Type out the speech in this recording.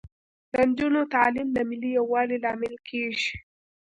د نجونو تعلیم د ملي یووالي لامل کیږي.